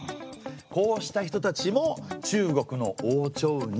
こうした人たちも中国の王朝に。